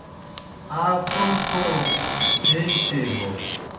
آ کوْم تھو تھیگیْ سیئے بوْ